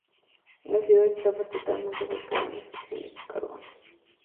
La ciudad está totalmente volcada en la extracción de carbón.